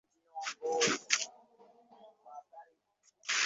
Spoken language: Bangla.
তিনি এই দ্রুত প্রকাশনার অংশ হতে পারেননি।